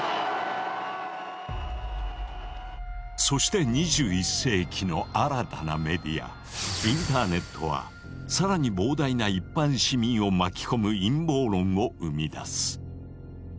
そして２１世紀の新たなメディアインターネットは更に膨大な一般市民を巻き込む陰謀論を生み出す。